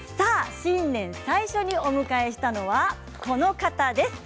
新年最初にお迎えしたのはこの方です。